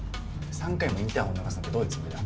３回もインターホン鳴らすなんてどういうつもりだ。